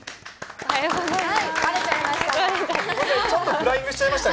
おはようございます。